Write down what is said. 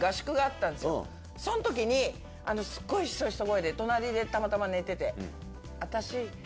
そん時にスゴいひそひそ声で隣でたまたま寝てて。